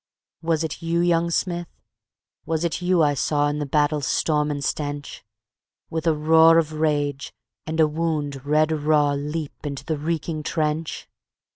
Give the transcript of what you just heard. _"Was it you, young Smith, was it you I saw In the battle's storm and stench, With a roar of rage and a wound red raw Leap into the reeking trench?